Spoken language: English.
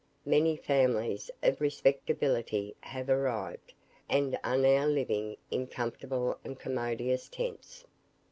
Many families of respectability have arrived, and are now living in comfortable and commodious tents.